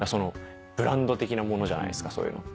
ブランド的なものじゃないですかそういうのって。